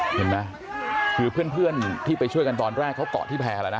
เห็นไหมคือเพื่อนที่ไปช่วยกันตอนแรกเขาเกาะที่แพร่แล้วนะ